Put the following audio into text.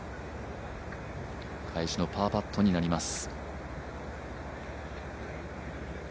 返しのパーパットになります。